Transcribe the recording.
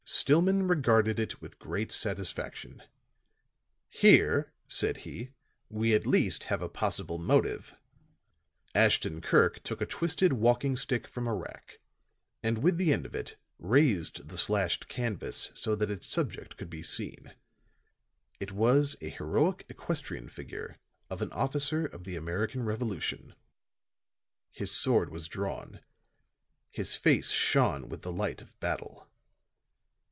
Stillman regarded it with great satisfaction. "Here," said he, "we at least have a possible motive." Ashton Kirk took a twisted walking stick from a rack, and with the end of it, raised the slashed canvas so that its subject could be seen. It was a heroic equestrian figure of an officer of the American Revolution. His sword was drawn; his face shone with the light of battle.